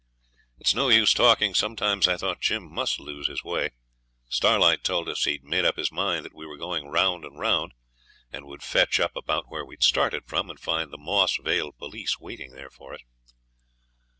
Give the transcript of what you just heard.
It's no use talking, sometimes I thought Jim must lose his way. Starlight told us he'd made up his mind that we were going round and round, and would fetch up about where we'd started from, and find the Moss Vale police waiting there for us.